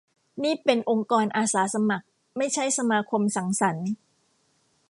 นี่เป็นองค์กรอาสาสมัคร ไม่ใช่สมาคมสังสรรค์